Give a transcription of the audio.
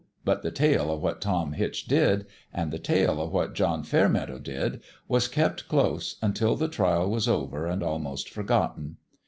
But the tale of what Tom Hitch did and the tale of what John Fairmeadow did was kept close until the trial was over and almost for gotten.